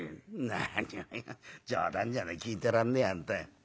「何を冗談じゃねえ聞いてらんねえや本当に。